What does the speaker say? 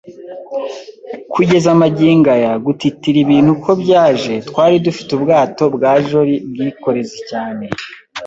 Kugeza magingo aya, gutitira ibintu uko byaje, twari dufite ubwato bwa jolly-bwikorezi cyane